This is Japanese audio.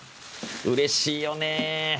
うれしいよねぇ。